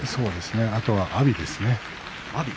あとは阿炎ですね。